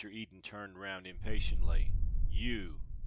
Eden turned round impatiently. "You!